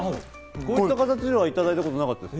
こういう形ではいただいたことなかったです。